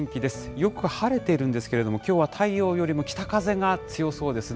よく晴れているんですけれども、きょうは太陽よりも北風が強そうですね。